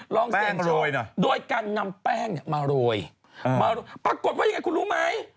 ลองเสี่ยงโชว์โดยการนำแป้งมาโรยมาโรยปรากฏว่ายังไงคุณรู้ไหม